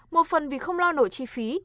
một phần vì không lo nổi chi phí